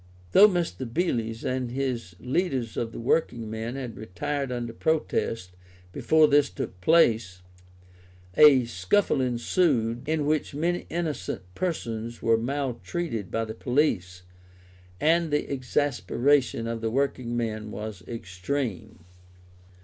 Though Mr. Beales and the leaders of the working men had retired under protest before this took place, a scuffle ensued in which many innocent persons were maltreated by the police, and the exasperation of the working men was extreme.